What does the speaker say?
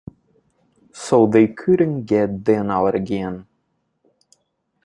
So they couldn’t get them out again.